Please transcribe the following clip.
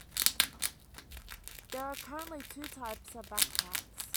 There are currently two types of backpacks.